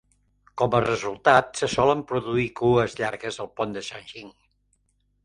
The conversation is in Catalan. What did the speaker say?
Com a resultat, se solen produir cues llargues al pont de Shangqing.